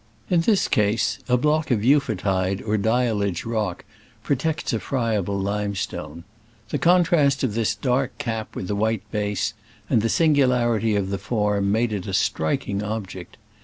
In this case a "block of euphotide or diallage rock protects a friable limestone :" the contrast of this dark cap with the white base, and the singularity of the form, made it a strik ing object.